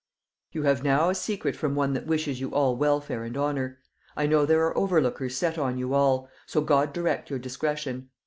"You have now a secret from one that wishes you all welfare and honor; I know there are overlookers set on you all, so God direct your discretion.